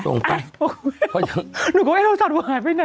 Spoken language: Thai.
หนูก็ว่าไอ้โทรศัพท์หายไปไหน